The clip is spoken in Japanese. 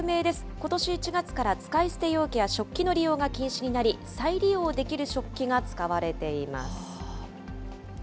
ことし１月から使い捨て容器や食器の利用が禁止になり、再利用できる食器が使われています。